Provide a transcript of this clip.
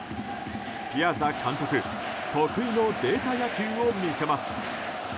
ピアザ監督、得意のデータ野球を見せます。